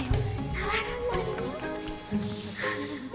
触らないよ。